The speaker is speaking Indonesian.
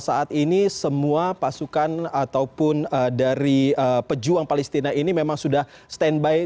saat ini semua pasukan ataupun dari pejuang palestina ini memang sudah standby